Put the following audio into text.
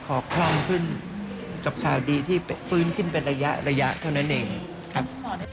คล่องขึ้นกับข่าวดีที่ฟื้นขึ้นเป็นระยะระยะเท่านั้นเองครับ